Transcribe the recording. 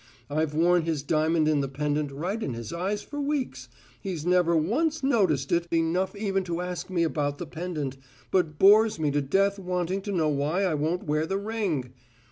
I've worn his diamond in the pendant right in his eyes for weeks; he's never once noticed it enough even to ask me about the pendant, but bores me to death wanting to know why I won't wear the ring!